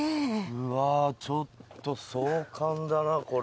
うわちょっと壮観だなこれ。